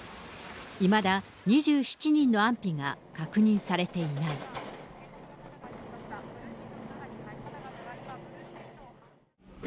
いまだ２７人の安否が確認されていない。